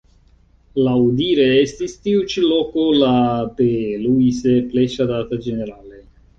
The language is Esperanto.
Laŭdire estis tiu ĉi loko la de Luise plej ŝatata ĝenerale.